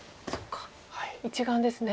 １眼ですね。